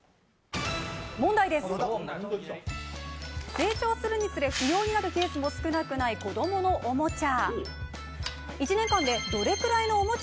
成長するにつれ不要になるケースも少なくない子供のおもちゃ。